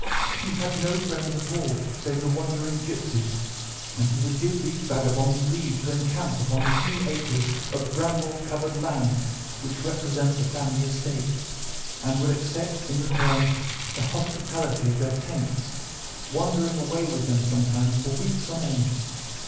He had no friends at all save the wandering gipsies, and he would give these vagabonds leave to encamp upon the few acres of bramble covered land which represent the family estate, and would accept in return the hospitality of their tents, wandering away with them sometimes for weeks on end.